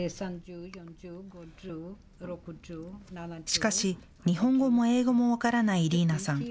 しかし日本語も英語も分からないイリーナさん。